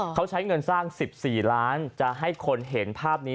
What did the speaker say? เขาใช้เงินสร้าง๑๔ล้านจะให้คนเห็นภาพนี้